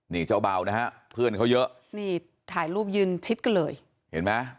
นี่เจ้าเบานะฮะเพื่อนเขาเยอะนี่ถ่ายรูปยืนชิดกันเลยเห็นไหม